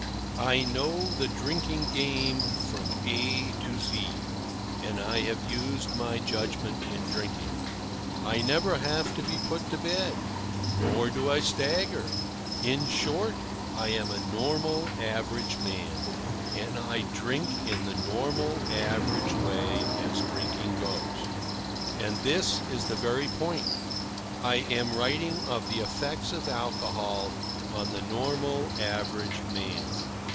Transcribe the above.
I know the drinking game from A to Z, and I have used my judgment in drinking. I never have to be put to bed. Nor do I stagger. In short, I am a normal, average man; and I drink in the normal, average way, as drinking goes. And this is the very point: I am writing of the effects of alcohol on the normal, average man.